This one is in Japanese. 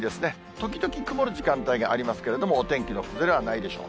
時々曇る時間帯がありますけれども、お天気の崩れはないでしょう。